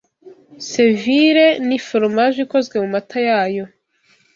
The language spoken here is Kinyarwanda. Cevire ni foromaje ikozwe mu mata yayo